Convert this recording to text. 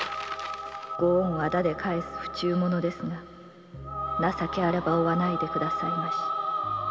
「ご恩を仇で返す不忠者ですが情けあれば追わないでくださいまし」